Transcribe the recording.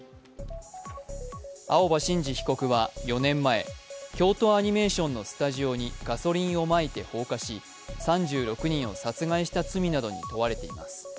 青葉真司被告は４年前京都アニメーションのスタジオにガソリンをまいて放火し、３６人を殺害した罪などに問われています。